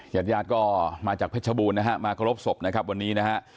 หยาดก็มาจากพระชบูรณ์นะฮะมากรบศพนะครับวันนี้นะฮะ